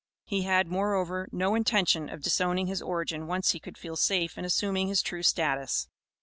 He had, moreover, no intention of disowning his origin when once he could feel safe in assuming his true status.